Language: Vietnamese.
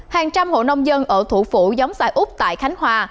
hàng trăm hộ nông dân ở thủ phủ giống xài úc tại khánh hòa